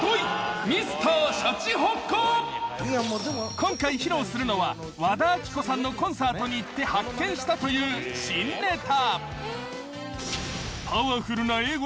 今回披露するのは和田アキ子さんのコンサートに行って発見したという新ネタ。